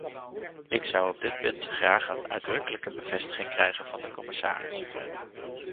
Ik zou op dit punt graag een uitdrukkelijke bevestiging krijgen van de commissaris.